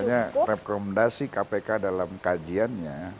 artinya rekomendasi kpk dalam kajiannya